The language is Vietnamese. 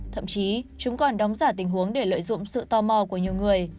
thậm chí chúng còn đóng giả tình huống để lợi dụng sự tò mò của nhiều người